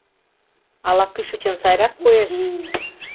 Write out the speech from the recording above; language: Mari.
— Ала кӱшычын сайрак коеш?